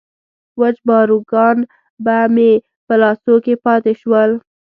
وچ پاروګان به مې په لاسو کې پاتې شول.